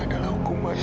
gimana kepeng conditioned